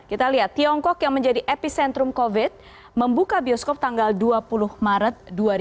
kita lihat tiongkok yang menjadi epicentrum covid membuka bioskop tanggal dua puluh maret dua ribu dua puluh